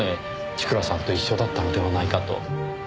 千倉さんと一緒だったのではないかと。